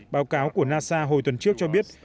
báo cáo của nasa hồi tuần trước cho biết